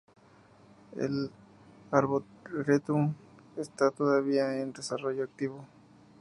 El arboretum está todavía en desarrollo activo.